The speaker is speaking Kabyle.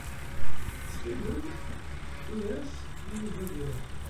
Ttxil-m, ini-yas i Yuba ad iruḥ.